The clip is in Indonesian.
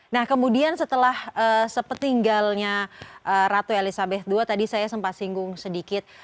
nah kemudian setelah sepetinggalnya ratu elizabeth ii tadi saya sempat singgung sedikit